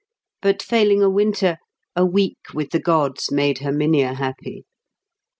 But failing a winter, a week with the gods made Herminia happy.